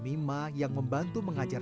mima yang membantu mengajar